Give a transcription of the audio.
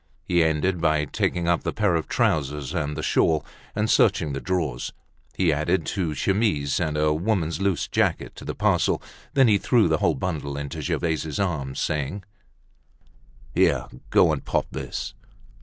He ended by taking up the pair of trousers and the shawl, and searching the drawers, he added two chemises and a woman's loose jacket to the parcel; then, he threw the whole bundle into Gervaise's arms, saying: "Here, go and pop this."